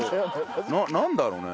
なんだろうね？